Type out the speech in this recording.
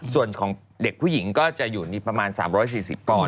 ส่วนของเด็กผู้หญิงก็จะอยู่ประมาณ๓๔๐ก่อน